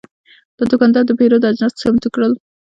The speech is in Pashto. دا دوکاندار د پیرود اجناس چمتو کړل.